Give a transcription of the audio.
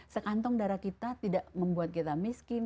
sekantong darah kita tidak membuat kita miskin